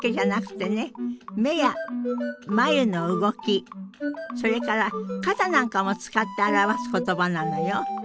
目や眉の動きそれから肩なんかも使って表す言葉なのよ。